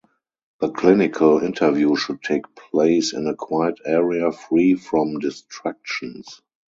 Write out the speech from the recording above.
The clinical interview should take place in a quiet area free from distractions.